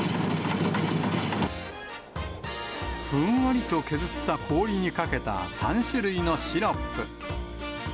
ふんわりと削った氷にかけた３種類のシロップ。